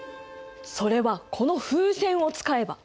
それはこの風船を使えば。